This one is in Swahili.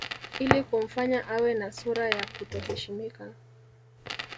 Ili kumfanya awe na sura ya kuto heshimika